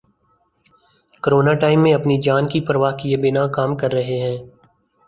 Corona time میں اپنی جان کی پرواہ کیے بنا کام کر رہے ہیں۔